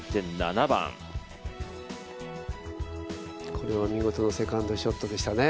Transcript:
これは見事なセカンドショットでしたね。